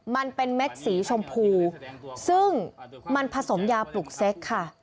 มันเป็นเม็ดสีชมพูซึ่งมันผสมยาปลุกเซ็กค่ะ